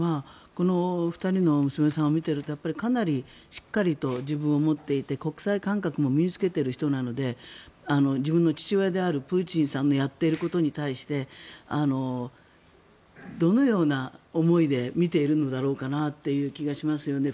この２人の娘さんを見ているとかなりしっかりと自分を持っていて国際感覚も身に着けている人なので自分の父親であるプーチンさんのやっていることに対してどのような思いで見ているのだろうかなっていう気がしますよね。